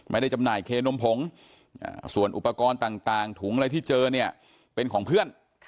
จำหน่ายเคนมผงส่วนอุปกรณ์ต่างถุงอะไรที่เจอเนี่ยเป็นของเพื่อน